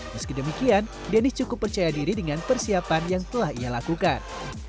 meski demikian dennis cukup percaya diri dengan persiapan yang telah ia lakukan